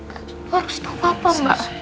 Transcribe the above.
aku harus tau papa mbak